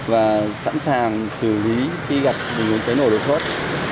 và sẵn sàng xử lý khi gặp những vụ cháy nổ đột xuất